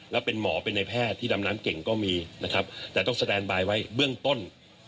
แล้วเป็นหมอเป็นในแพทย์ที่ดำน้ำเก่งก็มีนะครับแต่ต้องสแตนบายไว้เบื้องต้น